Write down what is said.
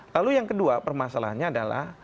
lalu yang kedua permasalahannya adalah